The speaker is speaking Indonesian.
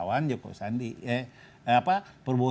yang kemarin minta izin untuk bikin di cibubur